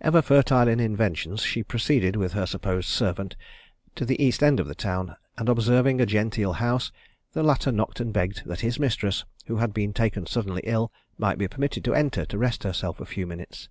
Ever fertile in inventions, she proceeded with her supposed servant to the east end of the town, and observing a genteel house, the latter knocked and begged that his mistress, who had been taken suddenly ill, might be permitted to enter to rest herself a few minutes.